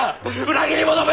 裏切り者め！